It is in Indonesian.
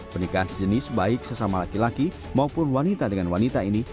pernikahan sejenis baik sesama laki laki maupun wanita dengan wanita ini